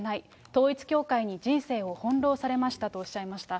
統一教会に人生を翻弄されましたとおっしゃいました。